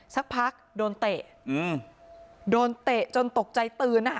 สักพักโดนเตะโดนเตะจนตกใจตื่นอ่ะ